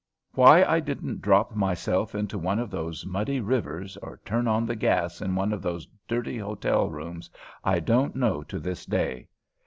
Why I didn't drop myself into one of those muddy rivers, or turn on the gas in one of those dirty hotel rooms, I don't know to this day.